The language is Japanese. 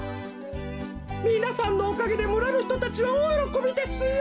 みなさんのおかげでむらのひとたちはおおよろこびですよ！